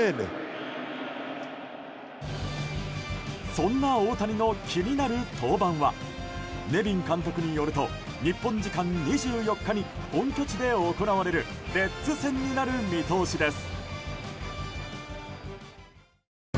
そんな大谷の気になる登板はネビン監督によると日本時間２４日に本拠地で行われるレッズ戦になる見通しです。